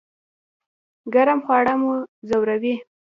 ګرم خواړه مو ځوروي؟